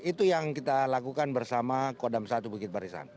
itu yang kita lakukan bersama kodam satu bukit barisan